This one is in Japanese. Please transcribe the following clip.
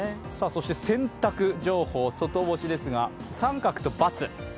そして洗濯情報、外干しですが△と×。